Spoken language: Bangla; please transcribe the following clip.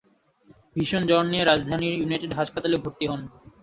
ভীষণ জ্বর নিয়ে রাজধানীর ইউনাইটেড হাসপাতালে ভর্তি হন।